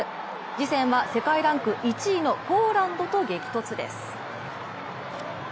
次戦は世界ランク１位のポーランドと激突です。